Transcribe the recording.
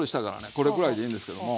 これぐらいでいいんですけども。